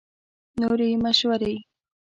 نورې مشورې